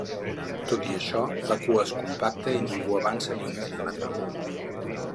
Tot i això, la cua és compacta i ningú no avança ni un mil·límetre.